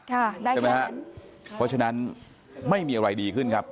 ใช่ไหมฮะเพราะฉะนั้นไม่มีอะไรดีขึ้นครับ